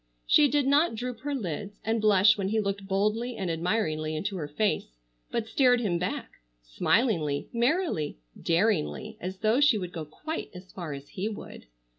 She did not droop her lids and blush when he looked boldly and admiringly into her face, but stared him back, smilingly, merrily, daringly, as though she would go quite as far as he would.